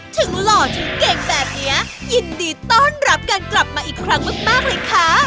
หล่อถึงเก่งแบบนี้ยินดีต้อนรับการกลับมาอีกครั้งมากเลยค่ะ